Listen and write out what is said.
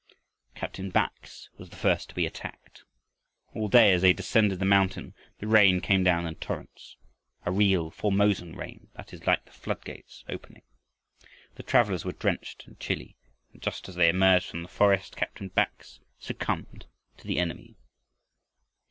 Captain Bax was the first to be attacked. All day, as they descended the mountain, the rain came down in torrents, a real Formosan rain that is like the floodgates opening. The travelers were drenched and chilly, and just as they emerged from the forest Captain Bax succumbed to the enemy.